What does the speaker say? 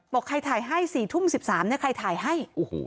บอกใครถ่ายให้๔ทุ่ม๑๓ใครถ่ายให้